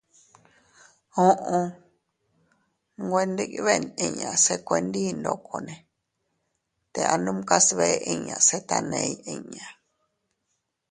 Uʼu.- Nwe ndibeʼn inña se kuendi ndokone te anumkas bee inña se taney inña.